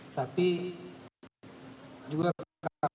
tapi juga karena ada dinamikasi